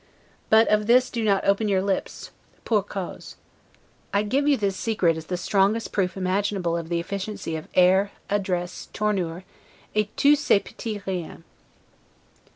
] but of this do not open your lips, 'pour cause'. I give you this secret as the strongest proof imaginable of the efficacy of air, address, 'tournure, et tout ces Petits riens'.